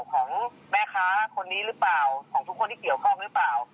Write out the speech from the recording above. ของแม่ค้าคนนี้หรือเปล่าของทุกคนที่เกี่ยวข้องหรือเปล่า